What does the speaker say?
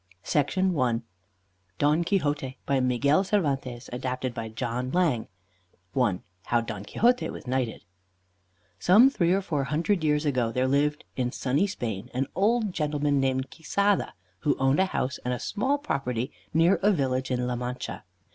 CLASSIC TALES DON QUIXOTE By MIGUEL CERVANTES ADAPTED BY JOHN LANG I HOW DON QUIXOTE WAS KNIGHTED Some three or four hundred years ago, there lived in sunny Spain an old gentleman named Quixada, who owned a house and a small property near a village in La Mancha.